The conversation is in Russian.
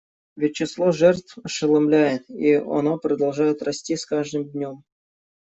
Ведь число жертв ошеломляет, и оно продолжает расти с каждым днем.